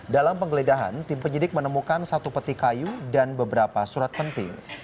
dalam penggeledahan tim penyidik menemukan satu peti kayu dan beberapa surat penting